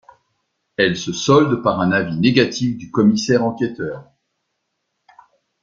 Elle se solde par un avis négatif du commissaire enquêteur.